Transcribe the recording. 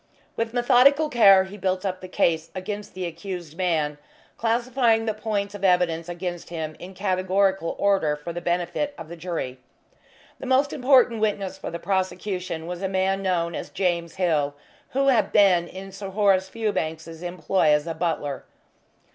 With methodical care he built up the case against the accused man, classifying the points of evidence against him in categorical order for the benefit of the jury. The most important witness for the prosecution was a man known as James Hill, who had been in Sir Horace Fewbanks's employ as a butler.